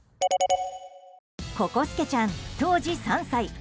ココすけちゃん、当時３歳。